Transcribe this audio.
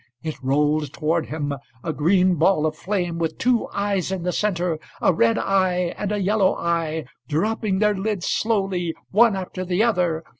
âIt rolled toward him,A green ball of flame, With two eyes in the center,A red eye and a yellow eye, Dropping their lids slowly, One after the other.